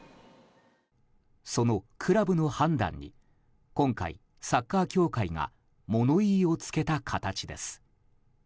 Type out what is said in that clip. そのクラブの判断に今回、サッカー協会が物言いをつけた形です。